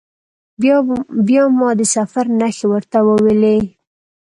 بیا ما د سفر نښې ورته وویلي.